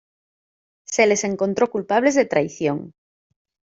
Se les encontró culpables de traición.